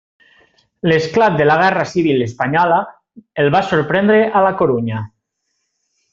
L'esclat de la guerra civil espanyola el va sorprendre a la Corunya.